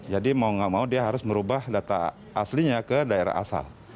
jadi mau gak mau dia harus merubah data aslinya ke daerah asal